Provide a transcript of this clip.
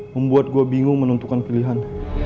membuat gue bingung menentukan pilihan